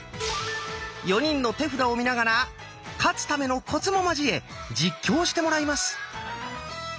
４人の手札を見ながら「勝つためのコツ」も交え実況してもらいます。